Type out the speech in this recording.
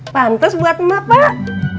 pantes buat mak pak